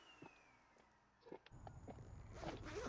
El código prohibía específicamente la retirada o la rendición.